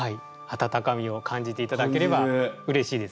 温かみを感じていただければうれしいですね。